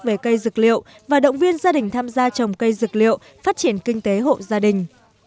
về cây dược liệu và động viên gia đình tham gia trồng cây dược liệu phát triển kinh tế hộ gia đình